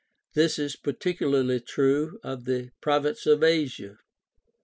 This is particularly true of the Province of Asia.